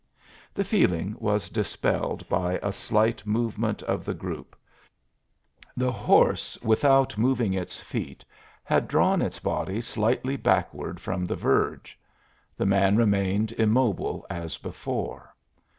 The feeling was dispelled by a slight movement of the group: the horse, without moving its feet, had drawn its body slightly backward from the verge; the man remained immobile as before.